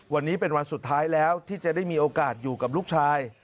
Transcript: วันนี้เป็นวันสุดท้ายแล้วที่จะได้มีโอกาสอยู่กับลูกชาย